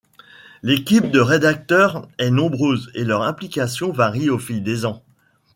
L'équipe de rédacteurs est nombreuse et leur implication varie au fil des ans.